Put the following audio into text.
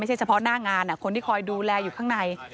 เฉพาะหน้างานคนที่คอยดูแลอยู่ข้างใน